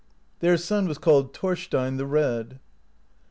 Their son was called Thorstein the Red.